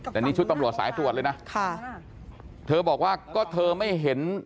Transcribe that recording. แต่นี่ชุดตำรวจสายตรวจเลยนะค่ะเธอบอกว่าก็เธอไม่เห็น